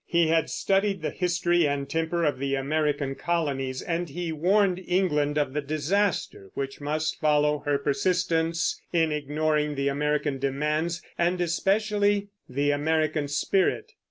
He had studied the history and temper of the American colonies, and he warned England of the disaster which must follow her persistence in ignoring the American demands, and especially the American spirit.